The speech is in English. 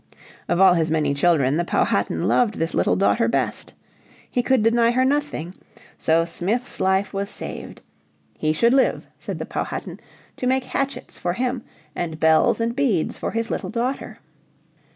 Of all his many children the Powhatan loved this little daughter best. He could deny her nothing. So Smith's life was saved. He should live, said the Powhatan, to make hatchets for him, and bells and beads for his little daughter.